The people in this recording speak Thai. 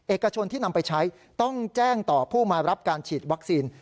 เอกชนที่นำไปใช้ต้องแจ้งต่อผู้มารับการฉีดวัคซีน